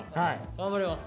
頑張ります。